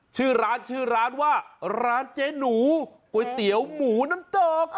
ชื่อร้านชื่อร้านว่าร้านเจ๊หนูก๋วยเตี๋ยวหมูน้ำตก